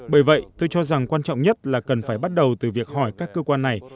bởi vậy tôi cho rằng quan trọng nhất là cần phải bắt đầu từ việc hỏi các cơ quan này